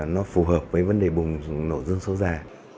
nó phù hợp với vấn đề bùng nổ dân số già